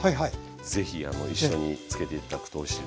是非一緒につけて頂くとおいしいです。